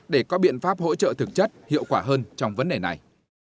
để có biện pháp hỗ trợ thực chất hiệu quả hơn trong vấn đề này